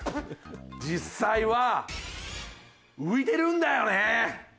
実際は浮いてるんだよね。